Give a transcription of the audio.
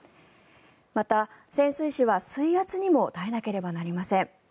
また、潜水士は水圧にも耐えなければなりません。